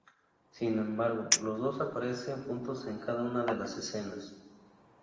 Sin embargo, los dos aparecen juntos en cada una de las escenas.